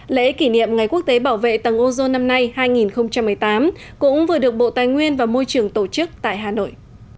lễ kỷ niệm ngày quốc tế bảo vệ tầng ozone năm nay hai nghìn một mươi tám cũng vừa được bộ tài nguyên và môi trường tổ chức tại hà nội